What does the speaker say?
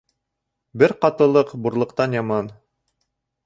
Бер ҡатлылыҡ бурлыҡтан яман.